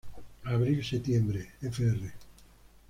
Abril-septiembre, fr.